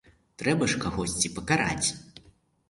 Трэба ж кагосьці пакараць!